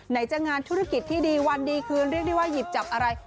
จะงานธุรกิจที่ดีวันดีคืนเรียกได้ว่าหยิบจับอะไร